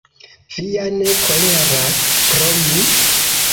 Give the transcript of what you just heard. Vi ja ne koleras pro mi?